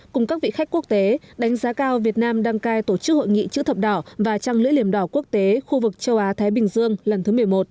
cùng các vị khách quốc tế đánh giá cao việt nam đăng cai tổ chức hội nghị chữ thập đỏ và trăng lưỡi liềm đỏ quốc tế khu vực châu á thái bình dương lần thứ một mươi một